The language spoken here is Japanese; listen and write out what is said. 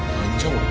これ。